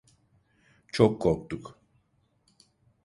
Çok korktuk.